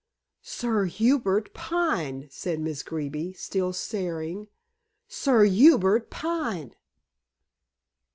"Sir Hubert Pine," said Miss Greeby, still staring. "Sir Hubert Pine!"